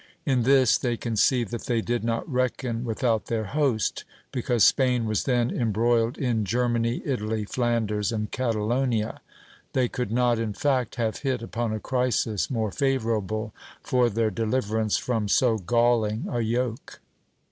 In this they conceived that they did not reckon without their host ; because Spain was then embroiled in Germany, Italy, Flanders, and Catalonia. They could not in fact have hit upon a crisis more favourable for their deliver ance from so galling a yoke.